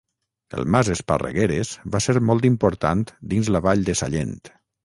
El mas Esparregueres va ser molt important dins la vall de Sallent.